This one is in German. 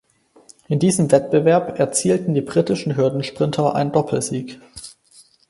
In diesem Wettbewerb erzielten die britischen Hürdensprinter einen Doppelsieg.